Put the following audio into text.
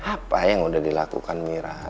apa yang udah dilakukan mira